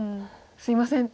「すいません」